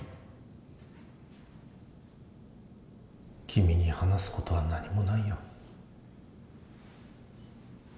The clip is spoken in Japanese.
君に話すことは何もないよ。